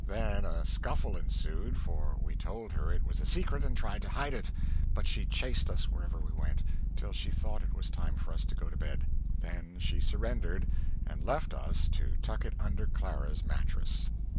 then a scuffle ensued for we told her it was a secret and tried to hide it; but she chased us wherever we went, till she thought it was time for us to go to bed, then she surendered and left us to tuck it under Clara's matress.